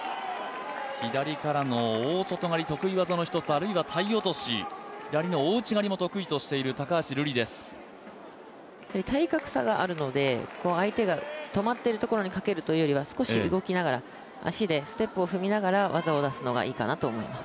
左からの大外刈り、得意技の一つあるいは、体落とし左の大内刈りも得意としている体格差があるので相手が止まっているところにかけるというよりは少し動きながら足でステップを踏みながら技を出すのがいいかなと思います。